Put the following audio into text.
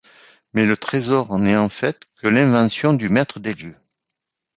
Mais le trésor n'est en fait que l'invention du maître des lieux.